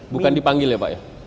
bukan dipanggil ya pak ya